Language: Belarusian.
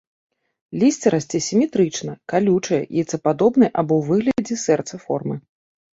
Лісце расце сіметрычна, калючае, яйцападобнай, або ў выглядзе сэрца, формы.